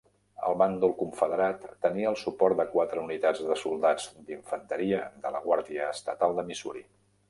El bàndol confederat tenia el suport de quatre unitats de soldats d'infanteria de la Guàrdia Estatal de Missouri.